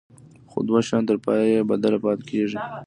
خو دوه شیان تر پایه بې بدله پاتې کیږي.